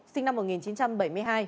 sinh năm một nghìn chín trăm bảy mươi hai